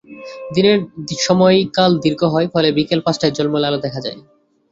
দিনের সময়কাল দীর্ঘ হয়, ফলে বিকেল পাঁচটায় ঝলমলে আলো দেখা যায়।